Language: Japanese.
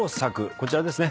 こちらですね。